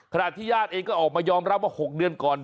ญาติเองก็ออกมายอมรับว่า๖เดือนก่อน